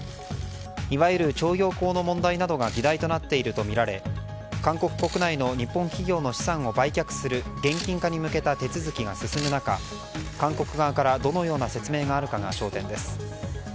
いわゆる徴用工の問題などが議題となっているとみられ韓国国内の日本企業の資産を売却する現金化に向けた手続きが進む中韓国側から、どのような説明があるかが焦点です。